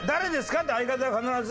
って相方が必ず。